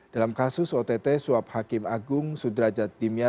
dalam kasus ott suap hakim agung sudrajat dimya